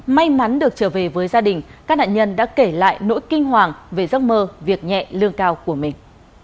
may mắn được trở về với gia đình các nạn nhân đã kể lại nỗi kinh hoàng về giấc mơ việc nhẹ lương cao của mình